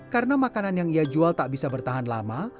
karena makanan yang ia jual tak bisa bertahan lama